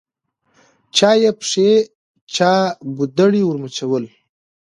چا یې پښې چا ګودړۍ ورمچوله